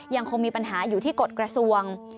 ยังคงมีปัญหาอยู่ที่กฎกระทรวง